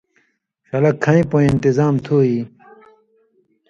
ݜَلہ کَھئیں پُوئیں انتظام تُھو اَئی؟